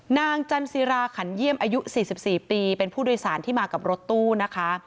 จันซีราขันเยี่ยมอายุ๔๔ปีเป็นผู้โดยสารที่มากับรถตู้นะคะ